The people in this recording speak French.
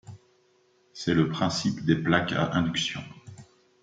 C'est le principe des plaques à induction.